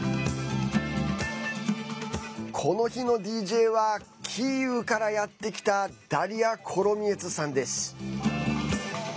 この日の ＤＪ はキーウからやってきたダリア・コロミエツさんです。